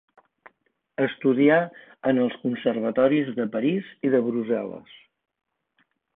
Estudià en els conservatoris de París i de Brussel·les.